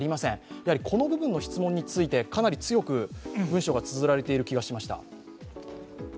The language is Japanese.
やはりこの部分の質問について、かなり強く文章がつづられている気がしました。